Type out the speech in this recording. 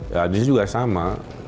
nah ini juga sama